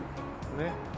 ねっ。